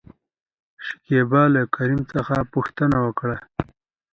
شکيبا له کريم څخه پوښتنه وکړه ؟